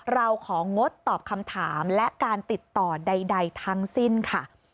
เราของงดตอบคำถามและการติดต่อใดทั้งสิ้นค่ะ